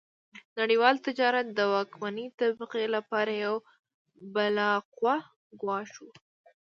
نړیوال تجارت د واکمنې طبقې لپاره یو بالقوه ګواښ و.